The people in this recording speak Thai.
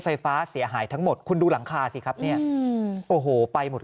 ไฟฟ้าเสียหายทั้งหมดคุณดูหลังคาสิครับเนี่ยโอ้โหไปหมด